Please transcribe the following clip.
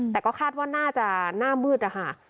แต่ก็คาดว่าน่าจะหน้ามืดนะคะ